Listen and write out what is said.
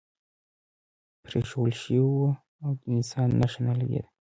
پرېښوول شوی و او د انسان نښه نه لګېده.